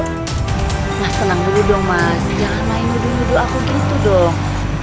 nah tenang dulu dong mas jangan main duduk duduk aku gitu dong